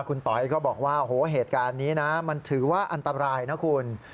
คุณต๋อยก็บอกว่าโหเหตุการณ์นี้นะมันถือว่าอันตรายนะคุณ